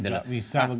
gak bisa begitu